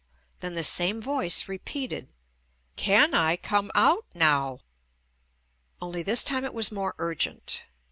Then the same voice repeated, "Can I come out now?" only this time it was more urg ent.